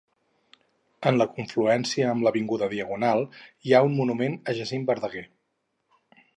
En la confluència amb l'avinguda Diagonal hi ha el monument a Jacint Verdaguer.